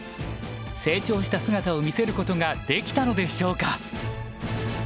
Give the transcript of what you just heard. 成長した姿を見せることができたのでしょうか。